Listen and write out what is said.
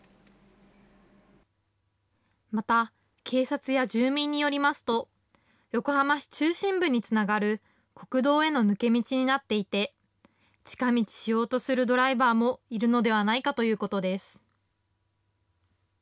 また警察や住民によりますと、横浜市中心部につながる国道への抜け道になっていて、近道しようとするドライバーもいるのではないかということです。